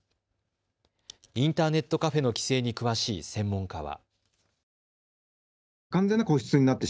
インターネットカフェの規制に詳しい専門家は。